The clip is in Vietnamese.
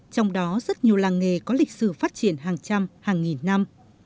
trong đó rất nhiều làng nghề có lịch sử phát triển hàng trăm hàng nghìn năm